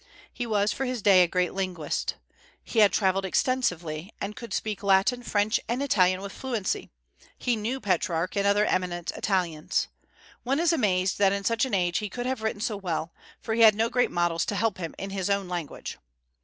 He was, for his day, a great linguist. He had travelled extensively, and could speak Latin, French, and Italian with fluency. He knew Petrarch and other eminent Italians. One is amazed that in such an age he could have written so well, for he had no great models to help him in his own language.